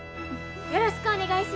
よろしくお願いします！」。